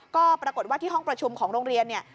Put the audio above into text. ก็ปรากฏว่าที่ห้องประชุมของโรงเรียนเนี่ย